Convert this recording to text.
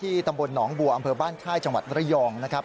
ตำบลหนองบัวอำเภอบ้านค่ายจังหวัดระยองนะครับ